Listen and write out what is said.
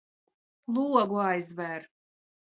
Logu aizver!